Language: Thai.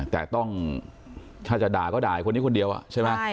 แต่ต้องถ้าจะด่าก็ด่าไอคนนี้คนเดียวใช่ไหม